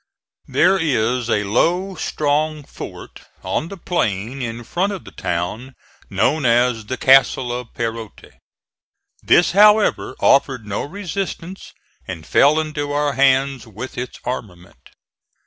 There is a low, strong fort on the plain in front of the town, known as the Castle of Perote. This, however, offered no resistance and fell into our hands, with its armament.